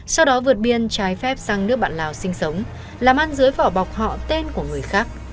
sau đó vượt biên trái phép sang nước bạn lào sinh sống làm ăn dưới vỏ bọc họ tên của người khác